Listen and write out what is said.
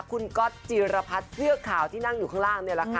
คุณก๊อตจีรพัฒน์เสื้อขาวที่นั่งอยู่ข้างล่างนี่แหละค่ะ